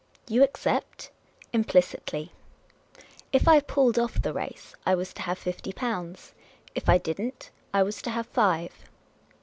"You accept?" " Implicitly." If I " pulled off" the race, I was to have fifty pounds. If I did n't, I was to have five.